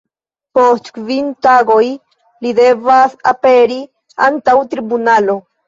Post kvin tagoj li devas aperi antaŭ tribunalo.